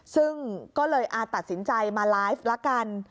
ซึ่งก็เลยตัดสินใจมาไลฟ์ละกัน